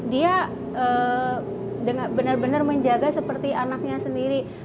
dia benar benar menjaga seperti anaknya sendiri